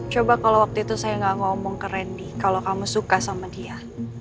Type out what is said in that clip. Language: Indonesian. coba kalau waktu itu saya gak ngomong ke rendy kalau kamu suka sama dia